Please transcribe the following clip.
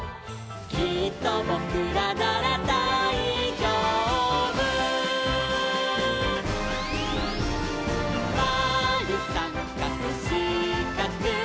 「きっとぼくらならだいじょうぶ」「まるさんかくしかく」